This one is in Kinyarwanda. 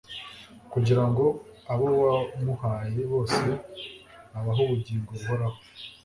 kugira ngo abo wamuhaye bose ' abahe ubugingo buhoraho.